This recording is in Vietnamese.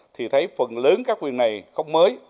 thì thấy phần lớn các quyền này không mới